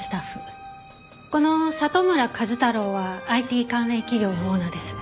この里村壱太郎はＩＴ関連企業のオーナーです。